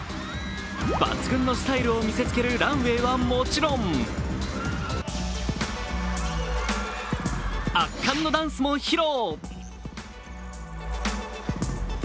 抜群のスタイルを見せつけるランウエーはもちろん、圧巻のダンスも披露。